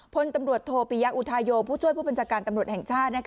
พลตำรวจโทปิยะอุทาโยผู้ช่วยผู้บัญชาการตำรวจแห่งชาติ